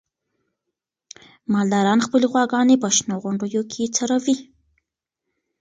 مالداران خپلې غواګانې په شنو غونډیو کې څروي.